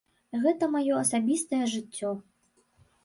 Гэта маё асабістае жыццё.